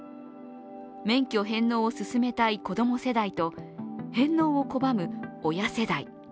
免許返納を進めたい子供世代と返納を拒む親世代。